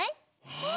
えっ。